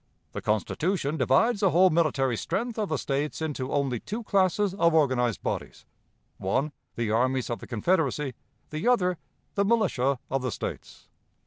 "The Constitution divides the whole military strength of the States into only two classes of organized bodies: one, the armies of the Confederacy; the other, the militia of the States.